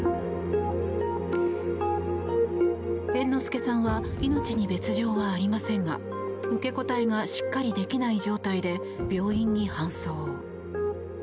猿之助さんは命に別条はありませんが受け答えがしっかりできない状態で病院に搬送。